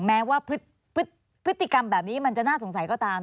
แม้ว่าพฤติกรรมแบบนี้มันจะน่าสงสัยก็ตาม